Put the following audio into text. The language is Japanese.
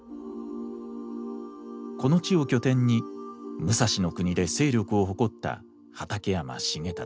この地を拠点に武蔵国で勢力を誇った畠山重忠。